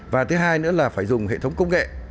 và thứ hai nữa là phải dùng hệ thống công nghệ